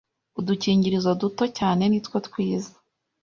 udukingirizo duto cyane nitwo twiza